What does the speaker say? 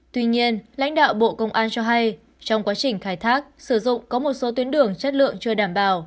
tuy nhiên lãnh đạo bộ công an cho hay trong quá trình khai thác sử dụng có một số tuyến đường chất lượng chưa đảm bảo